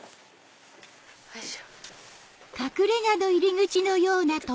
よいしょ。